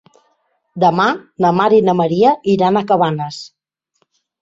Demà na Mar i na Maria iran a Cabanes.